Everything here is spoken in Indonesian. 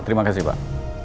terima kasih pak